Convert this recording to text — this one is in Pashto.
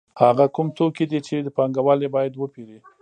هغه کوم توکي دي چې پانګوال یې باید وپېري